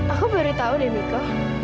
aku baru tahu deh miko